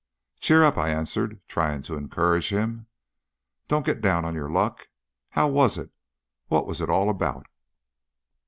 "Cheer up!" I answered, trying to encourage him. "Don't get down on your luck. How was it? What was it all about?"